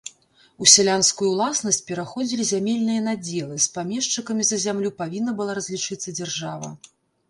У сялянскую ўласнасць пераходзілі зямельныя надзелы, з памешчыкамі за зямлю павінна была разлічыцца дзяржава.